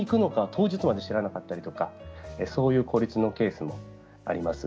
当日まで知らなかったりとかそういう孤立のケースもあります。